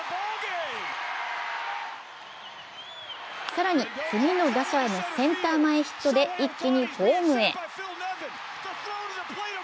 更に、次の打者のセンター前ヒットで一気にホームへ。